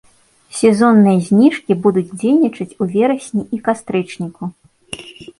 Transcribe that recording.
Сезонныя зніжкі будуць дзейнічаць у верасні і кастрычніку.